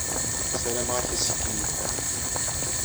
Ssarameɣ-ak assikel yelhan.